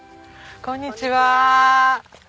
こんにちは。